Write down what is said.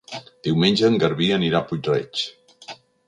Diumenge en Garbí anirà a Puig-reig.